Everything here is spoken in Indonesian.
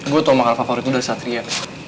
gue tau makan favorit lo dari satria